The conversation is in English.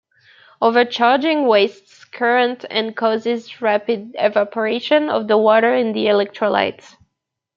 Overcharging wastes current and causes rapid evaporation of the water in the electrolyte.